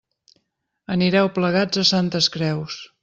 Anireu plegats a Santes Creus.